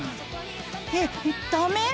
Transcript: えっダメ？